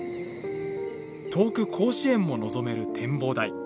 遠く甲子園も望める展望台。